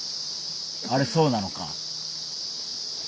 あれそうなのか。